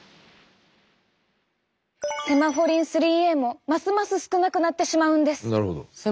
セマフォリン３Ａもますます少なくなってしまうんです。